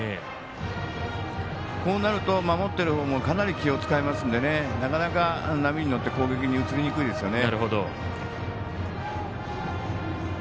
こうなると守っている方もかなり気を使いますのでなかなか、波に乗って攻撃に移りにくいですね。